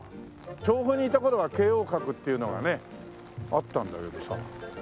調布にいた頃は京王閣っていうのがねあったんだけどさ。